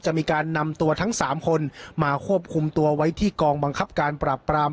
จะมีการนำตัวทั้งสามคนมาควบคุมตัวไว้ที่กองบังคับการปราบปราม